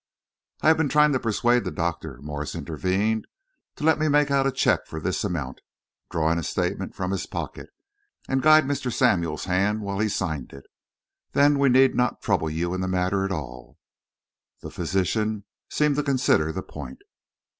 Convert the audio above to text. "I have been trying to persuade the doctor," Morse intervened, "to let me make out a cheque for this amount," drawing a statement from his pocket, "and guide Mr. Samuel's hand while he signed it. Then we need not trouble you in the matter at all." The physician seemed to consider the point.